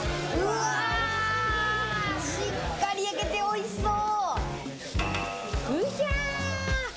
しっかり焼けて、おいしそう！